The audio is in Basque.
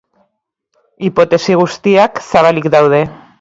Hipotesi guztiak zabalik daude.